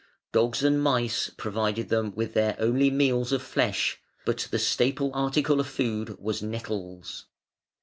Dogs and mice provided them with their only meals of flesh, but the staple article of food was nettles.